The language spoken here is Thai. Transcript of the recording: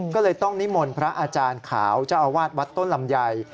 ก็เลยต้องนิมนต์พระอาจารย์ขาวเจ้าอาวาสวัดต้นลำไย